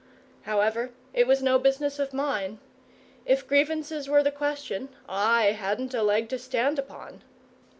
However, it was no business of mine. If grievances were the question, I hadn't a leg to stand upon.